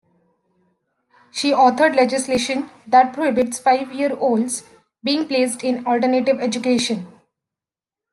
She authored legislation that prohibits five-year-olds being placed in alternative education.